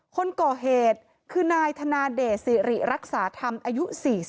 คนก่อเหตุคือนายธนาเดชสิริรักษาธรรมอายุ๔๐